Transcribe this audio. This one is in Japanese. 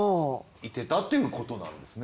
いてたっていうことなんですね。